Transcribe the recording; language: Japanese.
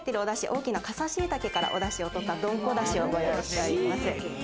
大きな傘しいたけからおだしをとったどんこ出汁を使用しております。